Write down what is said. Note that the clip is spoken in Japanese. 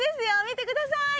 見てください